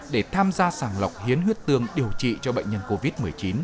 để tham gia sàng lọc hiến huyết tương điều trị cho bệnh nhân covid một mươi chín